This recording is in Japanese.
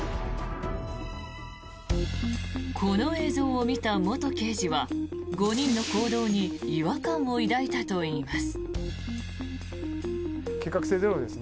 この映像を見た元刑事は５人の行動に違和感を抱いたといいます。